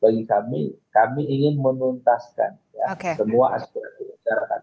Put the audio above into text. bagi kami kami ingin menuntaskan semua aspirasi masyarakat